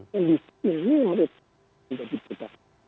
dan di sini menurut